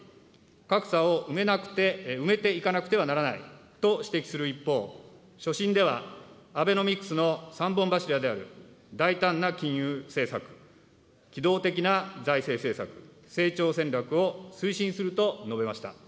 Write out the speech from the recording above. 格差を埋めていかなくてはならないと指摘する一方、所信では、アベノミクスの３本柱である大胆な金融政策、機動的な財政政策、成長戦略を推進すると述べました。